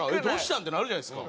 ってなるじゃないですか。